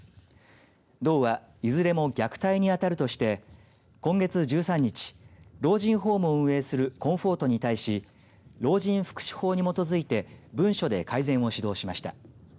道はいずれも虐待に当たるとして今月１３日老人ホームを運営するコンフォートに対し老人福祉法に基づいて文書で改善を指導しました。